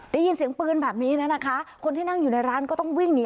ได้ยินเสียงปืนแบบนี้แล้วนะคะคนที่นั่งอยู่ในร้านก็ต้องวิ่งหนี